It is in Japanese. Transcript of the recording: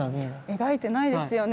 描いてないですよね。